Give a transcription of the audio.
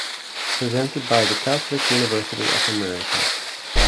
Presented by the Catholic University of America